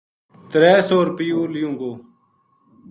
ترے سو رُپیو لیوں گو